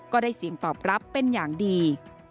ก็ได้เสียงตอบรับเป็นอย่างดี